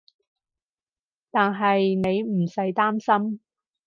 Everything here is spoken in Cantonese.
但係你唔使擔心